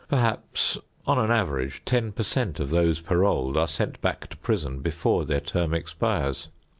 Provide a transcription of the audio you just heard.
Perhaps on an average ten per cent of those paroled are sent back to prison before their term expires.